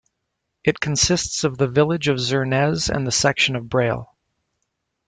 It consists of the village of Zernez and the section of Brail.